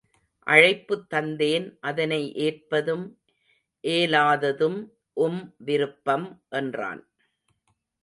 அழைப்புத் தந்தேன் அதனை ஏற்பதும் ஏலாததும் உம் விருப்பம் என்றான்.